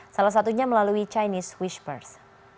salah satunya melalui chinese whispers